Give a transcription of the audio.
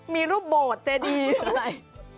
มีรูปโบสถ์เจดีอะไร